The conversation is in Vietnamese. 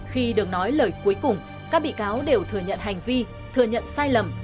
khi được nói lời cuối cùng các bị cáo đều thừa nhận hành vi thừa nhận sai lầm